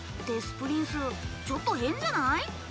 プリンスちょっと変じゃない？